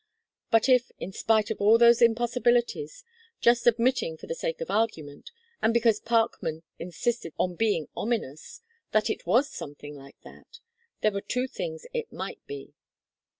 But if, in spite of all those impossibilities, just admitting for the sake of argument, and because Parkman insisted on being ominous, that it was something like that, there were two things it might be.